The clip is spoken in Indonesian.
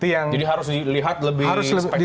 jadi harus dilihat lebih spektakular lebih luas